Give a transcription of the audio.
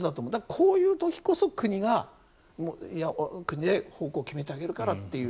こういう時こそ国が方向を決めてあげるからっていう。